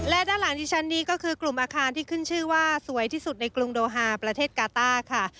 และด้านหลังที่ฉันนี้ก็คือกลุ่มอาคารที่ขึ้นชื่อว่าสวยที่สุดในกรุงโดฮาประเทศกาต้าค่ะ